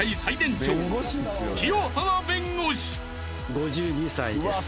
５２歳です。